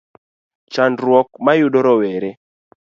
Chandruok ma yudo rowere